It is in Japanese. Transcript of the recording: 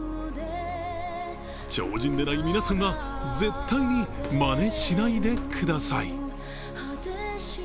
超人でない皆さんは絶対にまねしないでください。